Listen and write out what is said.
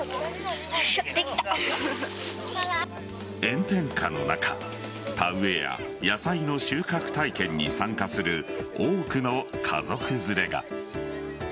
炎天下の中田植えや野菜の収穫体験に参加する多くの家族連れが。